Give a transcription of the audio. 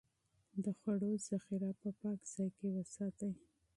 د خوړو ذخيره په پاک ځای کې وساتئ.